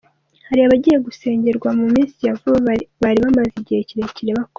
Hari abagiye gusengerwa mu minsi ya vuba bari bamaze igihe kirekire bakora.